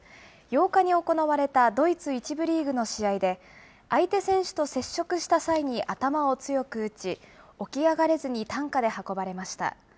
８日に行われたドイツ１部リーグの試合で、相手選手と接触した際に頭を強く打ち、起き上がれずに担架で運ばれました。